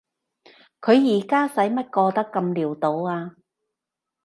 佢而家使乜過得咁潦倒啊？